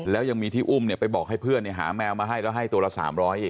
แล้วยังมีที่อุ้มไปบอกให้เพื่อนหาแมวมาให้แล้วให้ตัวละ๓๐๐อีก